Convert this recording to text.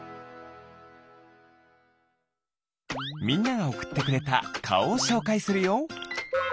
みんながおくってくれたかおをしょうかいするよ。